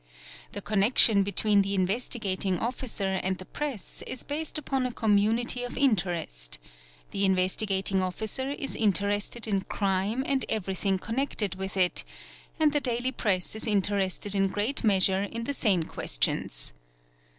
The connection between the Investigating Officer and the Press is based upon a community of interest; the Investigating Officer is inter ested in crime and everything connected with it and the daily Press is interested in great measure in the same questions.